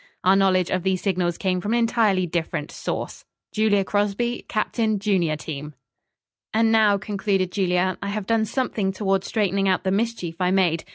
Our knowledge of these signals came from an entirely different source. "JULIA CROSBY, Capt. Junior Team." "And now," concluded Julia, "I have done something toward straightening out the mischief I made.